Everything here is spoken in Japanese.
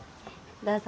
どうぞ。